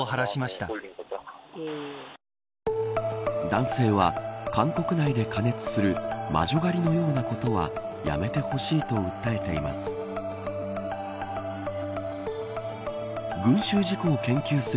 男性は韓国内で加熱する魔女狩りのようなことはやめてほしいと訴えています。